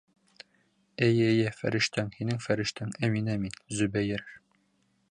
— Эйе, эйе, фәрештәң, һинең фәрештәң, Әминә мин, Зөбәйер.